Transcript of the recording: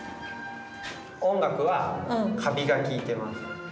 音楽はカビが聴いてます。